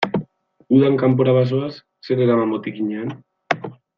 Udan kanpora bazoaz, zer eraman botikinean?